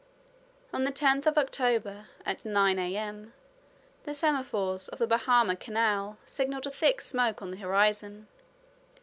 On the 10th of October, at nine A.M., the semaphores of the Bahama Canal signaled a thick smoke on the horizon.